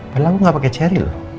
pada aku gak pakai cherry loh